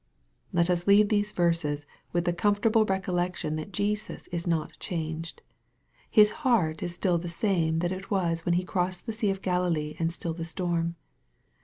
Let us leave these verses with the comfortable recol lection that Jesus is not changed. His heart is still the same that it was when He crossed the sea of Galilee and stilled the storm.